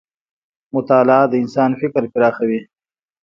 مطالعه د انسان فکر پراخوي.